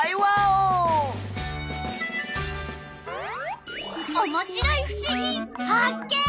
おもしろいふしぎ発見！